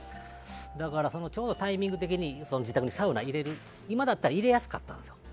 だからちょうど、タイミング的に自宅にサウナを入れる今だったら入れやすかったんですよ